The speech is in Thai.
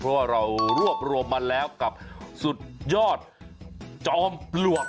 เพราะว่าเรารวบรวมมาแล้วกับสุดยอดจอมปลวก